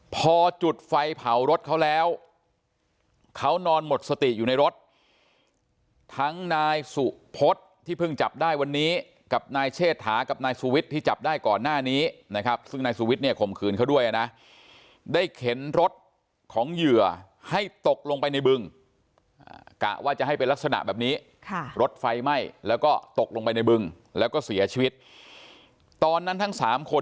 พอจุดไฟเผารถเขาแล้วเขานอนหมดสติอยู่ในรถทั้งนายสุพศที่เพิ่งจับได้วันนี้กับนายเชษฐากับนายสุวิทย์ที่จับได้ก่อนหน้านี้นะครับซึ่งนายสุวิทย์เนี่ยข่มขืนเขาด้วยนะได้เข็นรถของเหยื่อให้ตกลงไปในบึงกะว่าจะให้เป็นลักษณะแบบนี้รถไฟไหม้แล้วก็ตกลงไปในบึงแล้วก็เสียชีวิตตอนนั้นทั้งสามคน